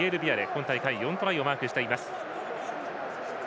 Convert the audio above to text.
今大会４トライをマークしています。